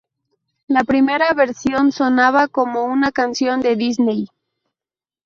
La primera versión sonaba como una canción de Disney.